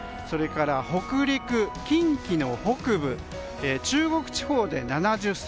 それから北陸、近畿の北部中国地方で７０ｃｍ。